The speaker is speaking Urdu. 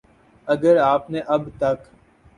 اگر آپ نے اب تک